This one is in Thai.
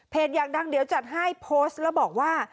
อยากดังเดี๋ยวจัดให้โพสต์แล้วบอกว่า